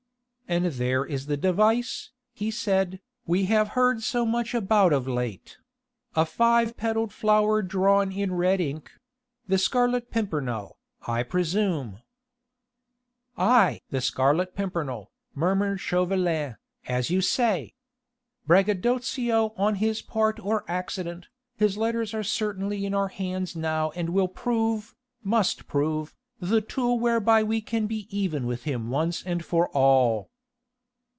"And there is the device," he said, "we have heard so much about of late a five petalled flower drawn in red ink ... the Scarlet Pimpernel, I presume." "Aye! the Scarlet Pimpernel," murmured Chauvelin, "as you say! Braggadocio on his part or accident, his letters are certainly in our hands now and will prove must prove, the tool whereby we can be even with him once and for all."